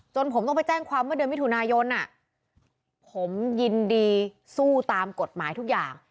ผมต้องไปแจ้งความเมื่อเดือนมิถุนายนผมยินดีสู้ตามกฎหมายทุกอย่าง